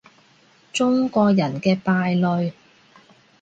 中國人嘅敗類